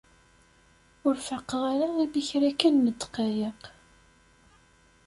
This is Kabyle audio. Ur faqeɣ-ara imi kra kan n dqayeq.